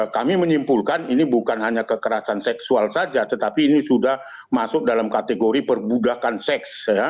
kami menyimpulkan ini bukan hanya kekerasan seksual saja tetapi ini sudah masuk dalam kategori perbudakan seks